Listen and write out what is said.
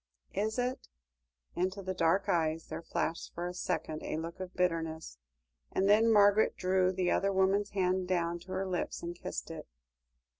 "Is it?" Into the dark eyes there flashed for a second a look of bitterness, and then Margaret drew the other woman's hand down to her lips, and kissed it.